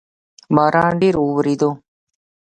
باران ډیر اووریدو